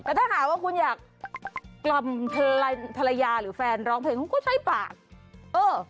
แต่ถ้าหากว่าคุณอยากกล่อมภรรยาหรือแฟนร้องเพลงเขาก็ใช้ปากเออ